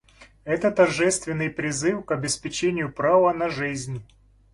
Это торжественный призыв к обеспечению права на жизнь.